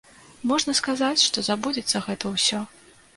Можна сказаць, што забудзецца гэта ўсё.